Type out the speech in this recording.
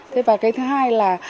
thế và cái thứ hai là